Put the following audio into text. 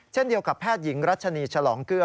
เช่นเดียวกับแพทย์หญิงรัชนีฉลองเกลือ